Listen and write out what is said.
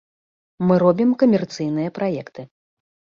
Мы робім камерцыйныя праекты.